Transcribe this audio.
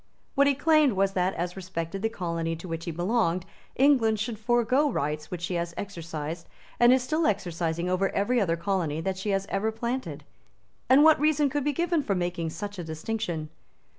What he claimed was that, as respected the colony to which he belonged, England should forego rights which she has exercised and is still exercising over every other colony that she has ever planted. And what reason could be given for making such a distinction?